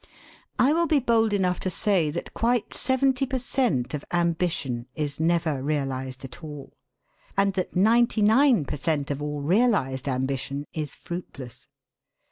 I will be bold enough to say that quite seventy per cent. of ambition is never realised at all, and that ninety nine per cent. of all realised ambition is fruitless.